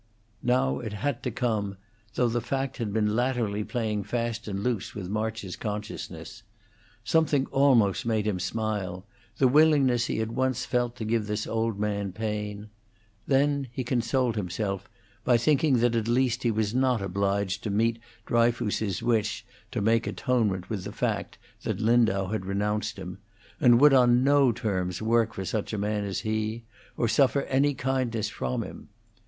Now it had to come, though the fact had been latterly playing fast and loose with March's consciousness. Something almost made him smile; the willingness he had once felt to give this old man pain; then he consoled himself by thinking that at least he was not obliged to meet Dryfoos's wish to make atonement with the fact that Lindau had renounced him, and would on no terms work for such a man as he, or suffer any kindness from him.